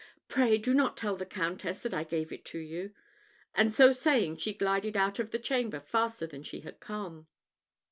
"Pray do not tell the Countess that I gave it to you;" and so saying, she glided out of the chamber faster than she came.